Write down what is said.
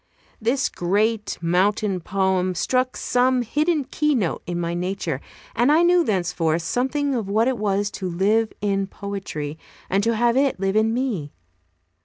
This great mountain poem struck some hidden key note in my nature, and I knew thenceforth something of what it was to live in poetry, and to have it live in me.